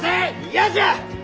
嫌じゃ！